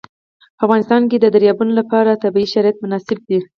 په افغانستان کې د دریابونه لپاره طبیعي شرایط مناسب دي.